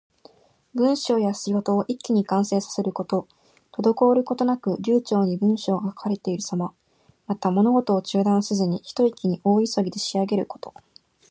文章や仕事を一気に完成させること。滞ることなく流暢に文章が書かれているさま。また、物事を中断せずに、ひと息に大急ぎで仕上げること。